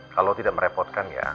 kalau tidak merepotkan ya